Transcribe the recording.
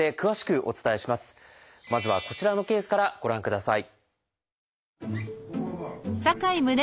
まずはこちらのケースからご覧ください。